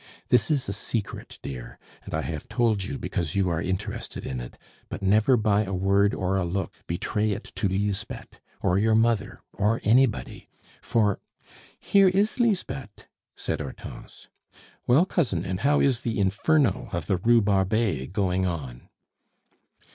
This is a secret, dear, and I have told you because you are interested in it, but never by a word or a look betray it to Lisbeth, or your mother, or anybody, for " "Here is Lisbeth!" said Hortense. "Well, cousin, and how is the Inferno of the Rue Barbet going on?"